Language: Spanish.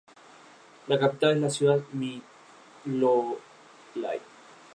La capital es la ciudad de Mykolaiv.